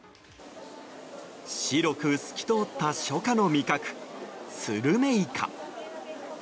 白く透き通った初夏の味覚スルメイカ。